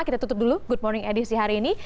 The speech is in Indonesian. kita tutup dulu good morning edisi hari ini